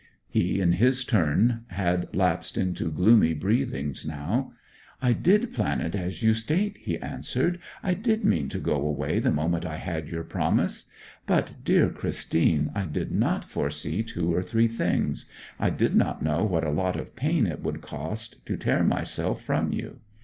He in his turn had lapsed into gloomy breathings now. 'I did plan it as you state,' he answered. 'I did mean to go away the moment I had your promise. But, dear Christine, I did not foresee two or three things. I did not know what a lot of pain it would cost to tear myself from you.